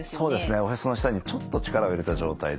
おへその下にちょっと力を入れた状態で。